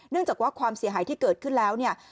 จากว่าความเสียหายที่เกิดขึ้นแล้วเนี่ย